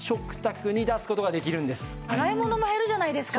洗い物も減るじゃないですか。